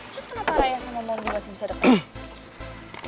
terus kenapa raya sama modi masih bisa deket